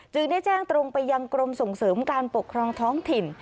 ได้แจ้งตรงไปยังกรมส่งเสริมการปกครองท้องถิ่น